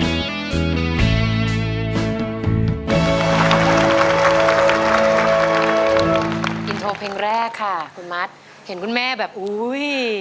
แล้วหลังกับเพลงแรกค่ะคุณมัดฉันคุณแม่แบบเมื่อ